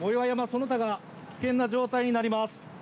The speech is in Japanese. その他が危険な状態になります。